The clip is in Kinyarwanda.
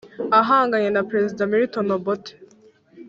ahanganye na perezida milton obote